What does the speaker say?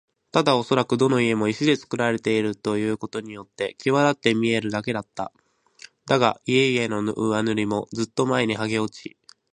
ただおそらくどの家も石でつくられているということによってきわだって見えるだけだった。だが、家々の上塗りもずっと前にはげ落ち、